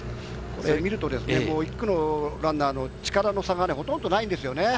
見ると１区のランナーの力の差がほとんどないんですよね。